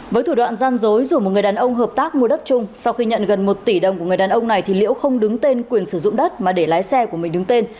với thủ đoạn gian dối dù một người đàn ông hợp tác mua đất chung sau khi nhận gần một tỷ đồng của người đàn ông này thì liễu không đứng tên quyền sử dụng đất mà để lái xe của mình đứng tên